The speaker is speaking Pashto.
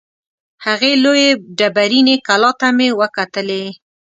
هغې لویې ډبریني کلا ته مې وکتلې.